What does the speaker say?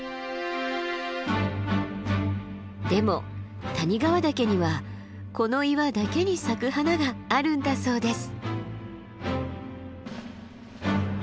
でも谷川岳にはこの岩だけに咲く花があるんだそうです。